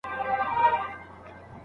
د ډنډ ترڅنګ د ږدن او مڼې ځای ړنګ سوی و.